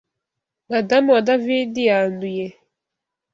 Madamu wa David yanduye!